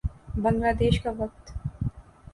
بنگلہ دیش کا وقت